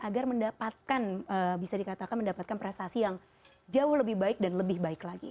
agar mendapatkan bisa dikatakan mendapatkan prestasi yang jauh lebih baik dan lebih baik lagi